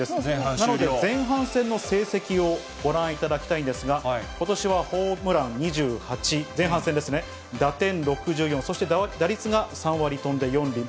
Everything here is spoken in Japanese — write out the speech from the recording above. なので前半戦の成績をご覧いただきたいんですが、ことしはホームラン２８、前半戦ですね、打点６４、そして打率が３割飛んで４厘。